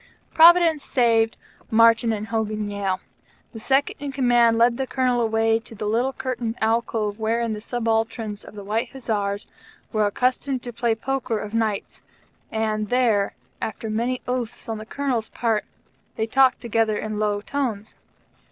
Providence saved Martyn and Hogan Yale. The Second in Command led the Colonel away to the little curtained alcove wherein the subalterns of the white Hussars were accustomed to play poker of nights; and there, after many oaths on the Colonel's part, they talked together in low tones.